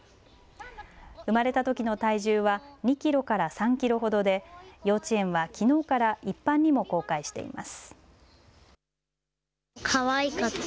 生まれたときの体重は２キロから３キロほどで幼稚園はきのうから一般にも公開しています。